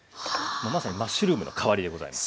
まさにマッシュルームの代わりでございます。